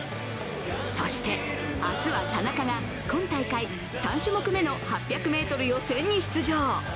そして、明日は田中が今大会３種目めの８００ｍ予選に出場。